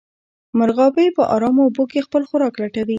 مرغابۍ په ارامو اوبو کې خپل خوراک لټوي